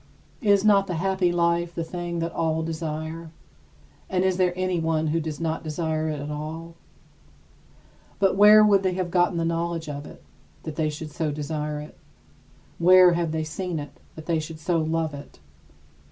Is not the happy life the thing that all desire, and is there anyone who does not desire it at all? But where would they have gotten the knowledge of it, that they should so desire it? Where have they seen it that they should so love it?